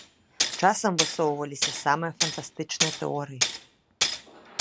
Часам высоўваліся самыя фантастычныя тэорыі.